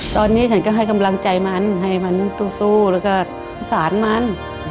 ตอนนี้ฉันก็ให้กำลังใจมันให้มันสู้แล้วก็สารมัน